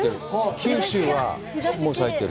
九州はもう咲いてる。